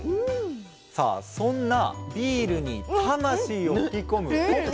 そんなビールに魂を吹き込むホップ。